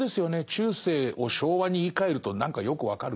中世を昭和に言いかえると何かよく分かる。